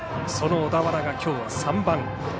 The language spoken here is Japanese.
その小田原が今日は３番。